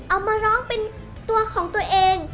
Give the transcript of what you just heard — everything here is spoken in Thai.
เอามาร้องเป็นตัวของตัวเอง